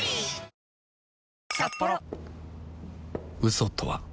嘘とは